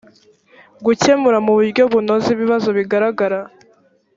gukemura mu buryo bunoze ibibazo bigaragara